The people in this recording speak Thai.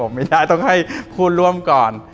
ไม่ได้ต้องให้ผู้ร่วมก่อน